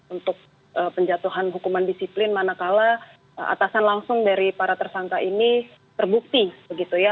untuk penjatuhan hukuman disiplin manakala atasan langsung dari para tersangka ini terbukti begitu ya